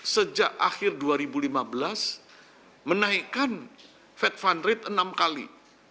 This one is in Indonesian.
sejak akhir dua ribu lima belas menaikkan fed fund rate enam kali